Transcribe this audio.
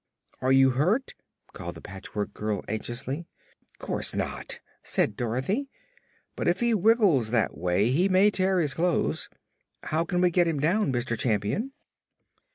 "Are you hurt?" called the Patchwork Girl anxiously. "Course not," said Dorothy. "But if he wiggles that way he may tear his clothes. How can we get him down, Mr. Champion?"